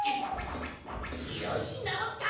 よしなおった！